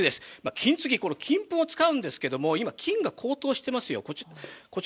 金継ぎは金粉を使うんですけど、今、金が高騰しています。